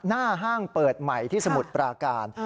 ห้างเปิดใหม่ที่สมุทรปราการ